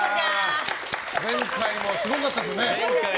前回もすごかったですね。